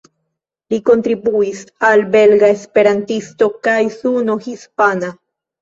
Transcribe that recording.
Li kontribuis al "Belga Esperantisto" kaj "Suno Hispana".